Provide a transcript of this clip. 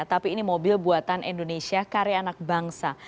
tapi ini mobil buatan indonesia karya anak bangsa